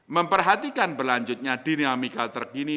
memperhatikan berlanjutnya dinamika terkini